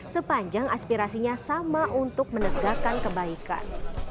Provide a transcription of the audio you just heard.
sepanjang aspirasinya sama untuk menegakkan kebaikan